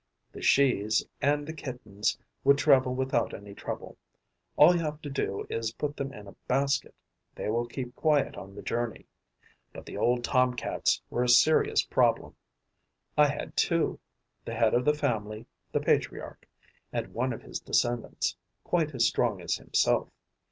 The shes and the kittens would travel without any trouble: all you have to do is to put them in a basket; they will keep quiet on the journey. But the old Tom cats were a serious problem. I had two: the head of the family, the patriarch; and one of his descendants, quite as strong as himself.